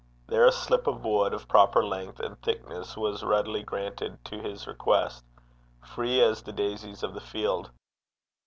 There a slip of wood, of proper length and thickness, was readily granted to his request, free as the daisies of the field.